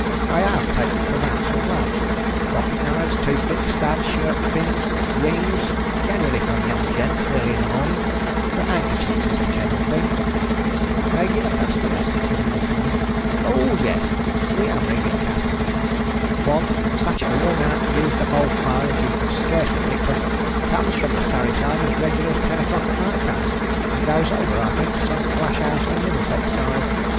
I have taken cravats and Charles Dickeni.] DOWN WITH THE TIDE. 483 gloves, pocket knives, toothpicks, studs, shirt pins, rings (generally from young gents, early in the morning), but handkerchiefs is the general thing. " Kegular customers 1 " said Waterloo. fl Lord, yes ! We have regular customers. One, such a worn out used up old file as you «an scarcely picter, comes from the Surrey side as regular as ten o'clock at night comes ; and goes over, /think, to some flash house on the Middlesex side.